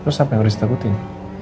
terus apa yang harus ditakutin